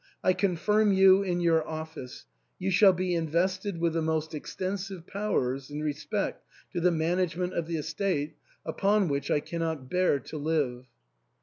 I confirm you in your office ; you shall be invested with the most extensive powers in respect to the management of the estate, upon which I cannot bear to live."